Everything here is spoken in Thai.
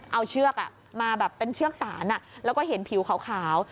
เอาเชือกมาแบบเป็นเชือกสารแล้วก็เห็นผิวขาว